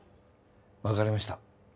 わかりました。